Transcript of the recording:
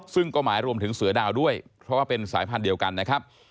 ซึ่งก็หมายรวมถึงเสือดาวด้วยเพราะว่าเป็นสายพันธุ์เดียวกันนะครับ